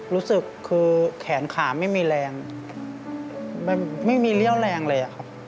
รู้สึกคือแขนขาไม่มีแรงไม่มีเรี่ยวแรงเลยอะครับ